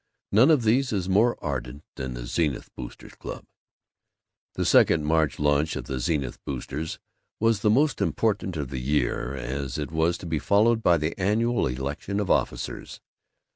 None of these is more ardent than the Zenith Boosters' Club. The second March lunch of the Zenith Boosters was the most important of the year, as it was to be followed by the annual election of officers.